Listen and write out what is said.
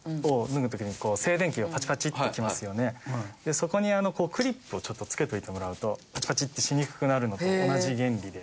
そこにクリップをちょっと付けておいてもらうとパチパチってしにくくなるのと同じ原理で。